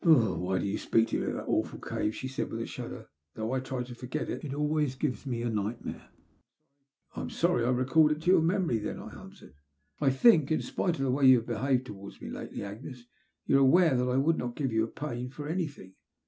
" Oh, why do you speak to me of that awful cave," she said, with a shudder ;though I try to forget it, it always gives me a nightmare." " I am sorry I recalled it to your memory, then," I answered. I think in spite of the way you have be haved towards me lately, Agnes, you are aware that I would not give you pain for anything.